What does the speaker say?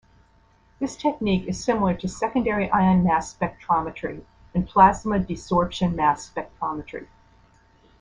This technique is similar to secondary ion mass spectrometry and plasma desorption mass spectrometry.